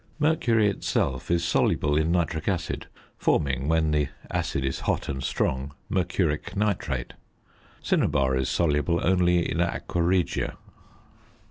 Mercury itself is soluble in nitric acid, forming, when the acid is hot and strong, mercuric nitrate. Cinnabar is soluble only in aqua regia.